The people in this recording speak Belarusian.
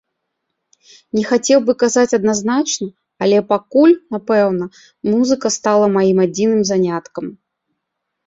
Не хацеў бы казаць адназначна, але пакуль, напэўна, музыка стала маім адзіным заняткам.